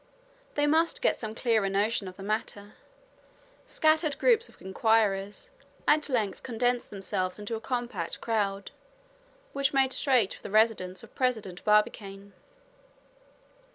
They must get some clearer notion of the matter. Scattered groups of inquirers at length condensed themselves into a compact crowd, which made straight for the residence of President Barbicane.